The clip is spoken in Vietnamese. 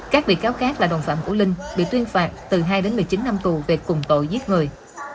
các bị cáo khác là đồng phạm của linh bị tuyên phạt từ hai đến một mươi chín năm tù về cùng tội giết người